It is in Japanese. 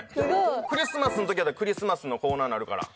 クリスマスの時はクリスマスのコーナーになるから。